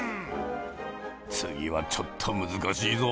次はちょっと難しいぞ。